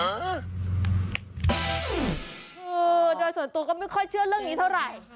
คือโดยส่วนตัวก็ไม่ค่อยเชื่อเรื่องนี้เท่าไหร่